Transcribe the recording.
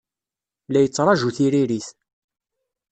La yettṛaju tiririt.